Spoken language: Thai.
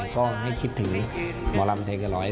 ก็ให้คิดถึงหมอลำชัยกระร้อย